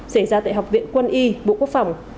xảy ra tại học viện quân y bộ quốc phòng